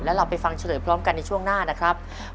แล้วเราไปฟังเฉลยพร้อมกันในช่วงหน้านะครับ